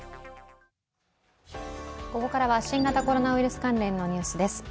ここからは新型コロナウイルス関連のニュースです。